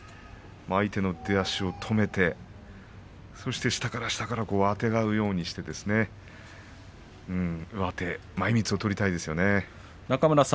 相手の出足を止めてそして下から下からあてがうようにして上手前みつを取りたいところです。